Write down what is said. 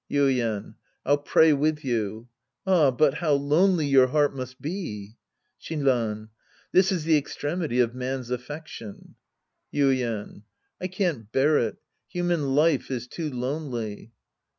Yuien. I'll pray with you. Ah, but how lonely your heart must be ! Shinran. This is the extremity of man's affection. Yuien. I can't bear it. Human life is too lonely.